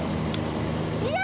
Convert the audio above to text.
いや！